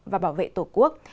và bảo vệ tổ quốc